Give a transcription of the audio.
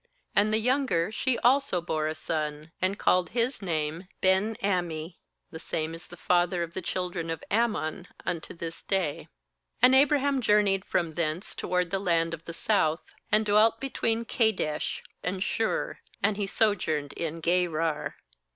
38And the younger, she also bore a son, and called his name Ben ammi — the same is the father of the children of Ammon unto this day. OA And Abraham journeyed from ^u thence toward the land of the South, and dwelt between Kadesh and Shur; and he sojourned in Gerar.